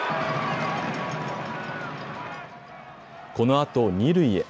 このあと二塁へ。